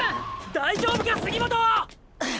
大丈夫か杉元！